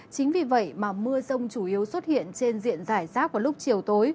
chính vì vậy mà mưa rông chủ yếu xuất hiện trên diện giải rác vào lúc chiều tối